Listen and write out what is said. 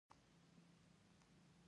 موږ ته مشرانو ويلي وو.